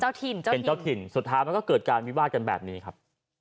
เจ้าเป็นเจ้าถิ่นสุดท้ายมันก็เกิดการวิวาดกันแบบนี้ครับ